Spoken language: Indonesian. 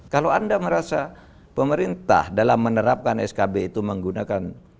kalau anda merasa pemerintah dalam menerapkan skb itu menggunakan